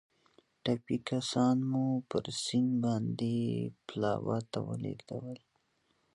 ټپي کسان مو پر سیند باندې پلاوا ته ولېږدول.